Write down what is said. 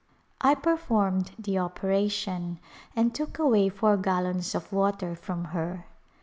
I performed the operation and took away four gallons of water from her.